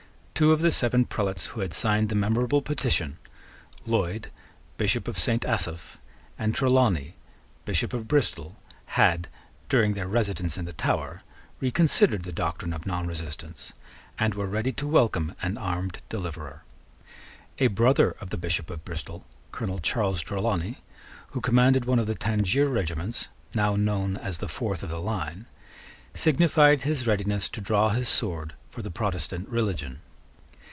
Two of the seven prelates who had signed the memorable petition, Lloyd, Bishop of St. Asaph, and Trelawney, Bishop of Bristol, had, during their residence in the tower, reconsidered the doctrine of nonresistance, and were ready to welcome an armed deliverer. A brother of the Bishop of Bristol, Colonel Charles Trelawney, who commanded one of the Tangier regiments, now known as the Fourth of the Line, signified his readiness to draw his sword for the Protestant religion.